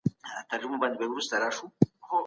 کوربه هیواد بهرنۍ پانګونه نه ردوي.